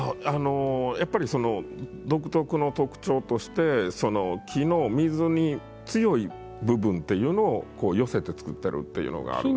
やっぱり独特の特徴として木の水に強い部分っていうのを寄せて作ってるっていうのがあるんですよ。